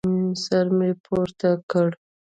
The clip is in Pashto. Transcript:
سر مې پورته کړ.